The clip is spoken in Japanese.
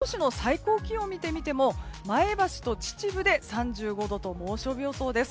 続いて、主要都市の最高気温を見てみても前橋と秩父で３５度と猛暑日予想です。